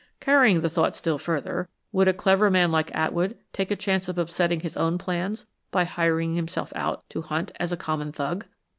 Carrying the thought still further, would a clever man like Atwood take a chance of upsetting his own plans by hiring himself out to Hunt as a common thug?"